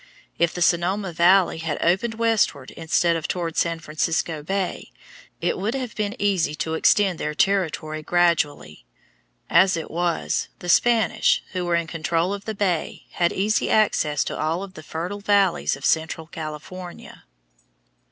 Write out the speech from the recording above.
If the Sonoma Valley had opened westward instead of toward San Francisco Bay, it would have been easy to extend their territory gradually. As it was, the Spanish, who were in control of the bay, had easy access to all of the fertile valleys of central California.